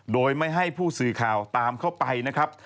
โดยไม่ให้ผู้สื่อข่าวตามเข้าไปนะครับ